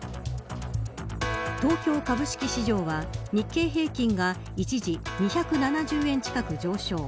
東京株式市場は日経平均が一時２７０円近く上昇。